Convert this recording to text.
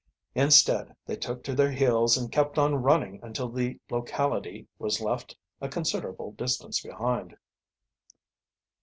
Instead, they took to their heels and kept on running until the locality was left a considerable distance behind.